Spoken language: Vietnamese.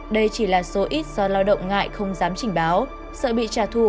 đây chỉ là số ít do lao động ngại không dám trình báo sợ bị trả thù